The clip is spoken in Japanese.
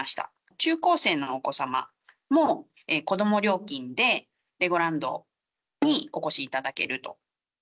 中高生のお子様も子ども料金でレゴランドにお越しいただけると。